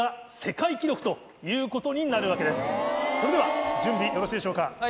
それでは準備よろしいでしょうか？